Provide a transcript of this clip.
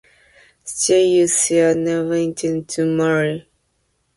Still, you see, I never intend to marry.